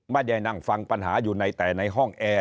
ไม่ได้นั่งฟังปัญหาอยู่ในแต่ในห้องแอร์